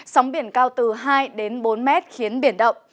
sóng biển cao từ hai đến bốn mét khiến biển động